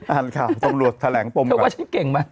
อ่านข่าวสำรวจแถลงปมก่อนเขาว่าฉันเก่งมั้ย